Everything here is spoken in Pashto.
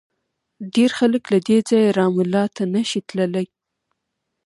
ډېر خلک له دې ځایه رام الله ته نه شي تللی.